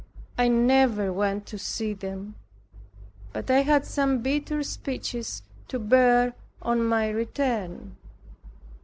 I never went to see them, but I had some bitter speeches to bear on my return.